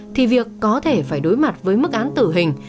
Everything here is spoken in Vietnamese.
thì việc có thể phải đối mặt với mức án tử hình